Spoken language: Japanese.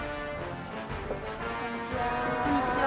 こんにちは。